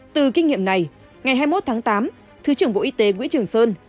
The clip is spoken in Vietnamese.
từ kinh nghiệm này ngày hai mươi một tháng tám thứ trưởng bộ y tế nguyễn trường sơn